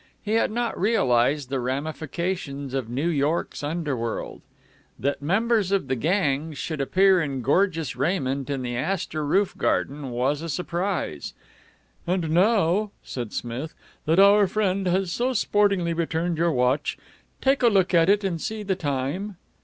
He had not realized the ramifications of New York's underworld. That members of the gangs should appear in gorgeous raiment in the Astor roof garden was a surprise. "And now," said Smith, "that our friend has so sportingly returned your watch, take a look at it and see the time.